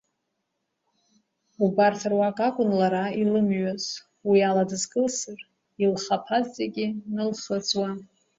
Убарҭ руак акәын лара илымҩаз, уи ала дызкылсыр, илхаԥаз зегьы налхыҵуан.